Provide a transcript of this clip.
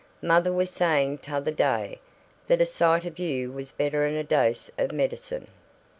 Mother was saying t'other day that a sight of you was better 'n a dose of medicine."